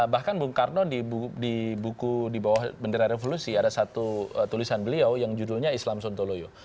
bahkan bung karno di buku di bawah bendera revolusi ada satu tulisan beliau yang judulnya islam sontoloyo